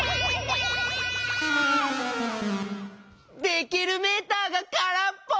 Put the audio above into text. できるメーターがからっぽ！